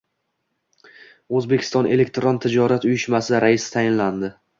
O'zbekiston elektron tijorat uyushmasi raisi tayinlandi